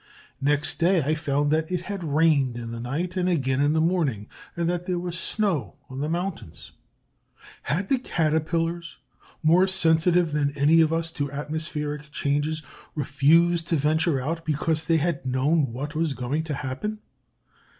Next day I found that it had rained in the night and again in the morning, and that there was snow on the mountains. Had the Caterpillars, more sensitive than any of us to atmospheric changes, refused to venture out because they had known what was going to happen?